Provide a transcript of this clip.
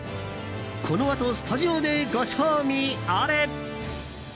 このあとスタジオでご賞味あれ。